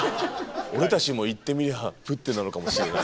「俺たちも言ってみりゃプッテなのかもしれない」。